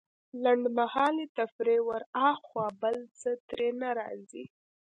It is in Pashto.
لنډمهالې تفريح وراخوا بل څه ترې نه راځي.